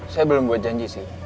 saya belum buat janji sih